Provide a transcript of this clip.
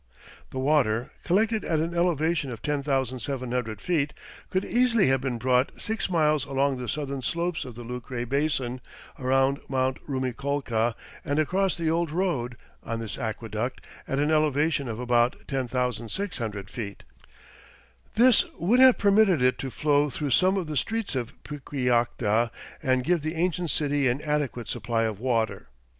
The water, collected at an elevation of 10,700 feet, could easily have been brought six miles along the southern slopes of the Lucre Basin, around Mt. Rumiccolca and across the old road, on this aqueduct, at an elevation of about 10,600 feet. This would have permitted it to flow through some of the streets of Piquillacta and give the ancient city an adequate supply of water.